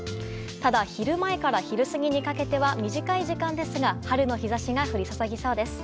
ただ、昼前から昼過ぎにかけては短い時間ですが春の日差しが降り注ぎそうです。